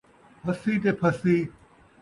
ہسی تے پھسی